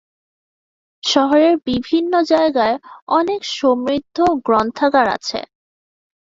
শহরের বিভিন্ন জায়গায় অনেক সমৃদ্ধ গ্রন্থাগার আছে।